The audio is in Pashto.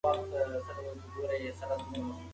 ډاکټر جان پکې دی.